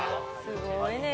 すごいね。